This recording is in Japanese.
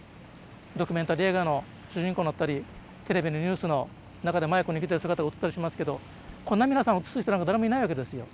ドキュメンタリー映画の主人公になったりテレビのニュースの中でマイク握ってる姿映ったりしますけどこんな皆さん映す人なんか誰もいないわけですよ。